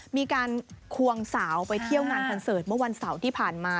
ควงสาวไปเที่ยวงานคอนเสิร์ตเมื่อวันเสาร์ที่ผ่านมา